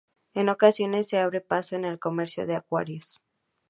En ocasiones se abre paso en el comercio de acuarios.